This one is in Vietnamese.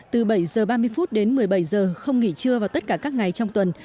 từ bảy h ba mươi đến một mươi bảy h không nghỉ trưa vào tất cả các ngày trong tuần